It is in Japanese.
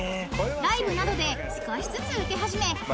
［ライブなどで少しずつウケ始め